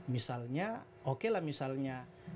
misalnya oke lah misalnya